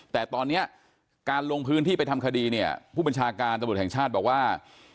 แต่ตอนนี้การลงพื้นที่ไปทำคดีเนี่ยผู้บัญชาการตำรวจแห่งชาติบอกว่า